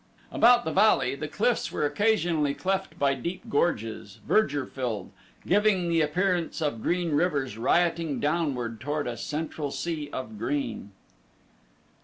About the valley the cliffs were occasionally cleft by deep gorges, verdure filled, giving the appearance of green rivers rioting downward toward a central sea of green.